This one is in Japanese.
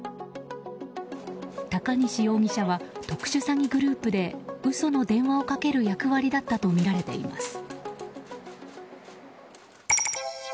高西容疑者は特殊詐欺グループで嘘の電話をかける役割だったとみられています。